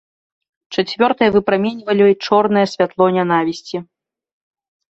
Чацвёртыя выпраменьвалі чорнае святло нянавісці.